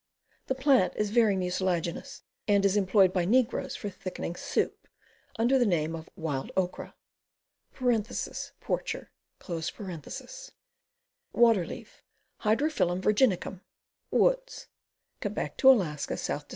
The plant is very mucilaginous, and is employed by negroes for thickening soup, under the name of "wild okra." (Por cher.) Waterle.vf. Hydrophyllum Virginicum. Woods. Que bec to Alaska, south to S.